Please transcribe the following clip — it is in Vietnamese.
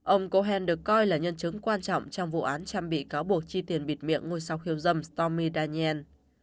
ông cohen được coi là nhân chứng quan trọng trong vụ án trump bị cáo buộc chi tiền bịt miệng ngôi sao khiêu dâm stormy daniels